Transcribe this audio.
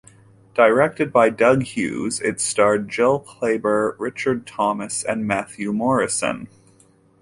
Directed by Doug Hughes, it starred Jill Clayburgh, Richard Thomas, and Matthew Morrison.